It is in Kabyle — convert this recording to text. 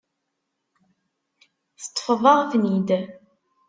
Teṭṭfeḍ-aɣ-ten-id.